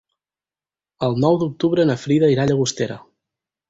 El nou d'octubre na Frida irà a Llagostera.